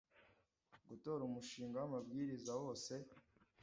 gutora umushinga w amabwiriza wose